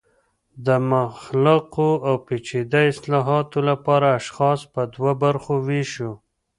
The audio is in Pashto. د مغلقو او پیچده اصطالحاتو لپاره اشخاص په دوه برخو ویشو